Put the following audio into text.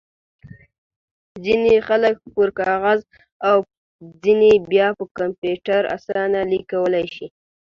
ځينې خلک پر کاغذ او ځينې بيا پر کمپيوټر اسانه ليک کولای شي.